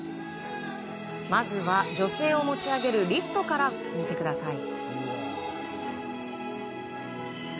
まずは女性を持ち上げるリフトから見てください。